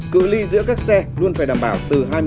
cự ly giữa các xe luôn phải đảm bảo từ hai mươi đến ba mươi m